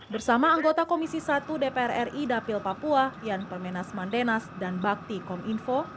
bersama anggota komisi satu dpr ri dapil papua yan permenas mandenas dan bakti kominfo